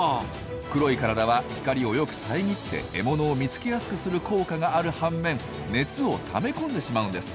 黒い体は光をよくさえぎって獲物を見つけやすくする効果がある半面熱をためこんでしまうんです。